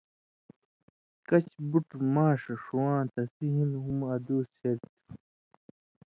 کَچھ بُٹ ماݜہ ݜُواں تسی ہِن ہُم ادُوس شریۡ تھُو۔